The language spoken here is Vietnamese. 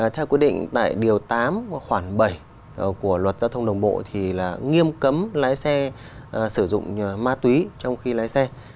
theo quy định tại điều tám khoảng bảy của luật giao thông đường bộ thì là nghiêm cấm lái xe sử dụng ma túy trong khi lái xe